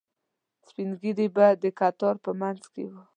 سپینږیري به د کتار په منځ کې وو.